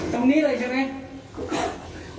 ตรงนี้เลยใช่ไหม